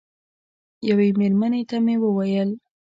یوه مېرمنې ته مې وویل.